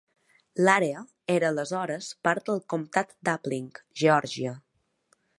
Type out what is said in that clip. L'àrea era aleshores part del comtat d'Appling, Geòrgia.